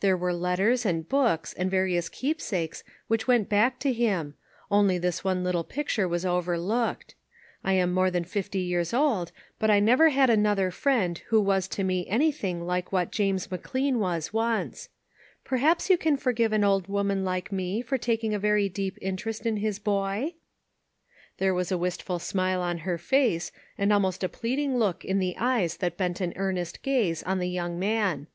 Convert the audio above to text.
There were letters, and books, and various keepsakes, which went back to him — only this one little picture was over looked. I am more than fifty years old, but I have never had another friend who was to me anything like what James LIGHT OUT OF DARKNESS. 423 McLean was once. Perhaps you can forgive an old woman like me for taking a very deep interest in his boy?" There was a wistful smile on her face, and almost a pleading look in the eyes that bent an earnest gaze on the young man.